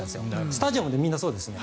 スタジアムってみんなそうですね。